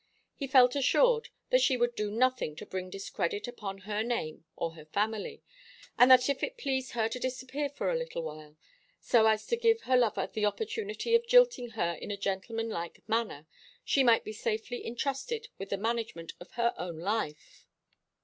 He felt assured that she would do nothing to bring discredit upon her name or her family; and that if it pleased her to disappear for a little while, so as to give her lover the opportunity of jilting her in a gentleman like manner, she might be safely intrusted with the management of her own life.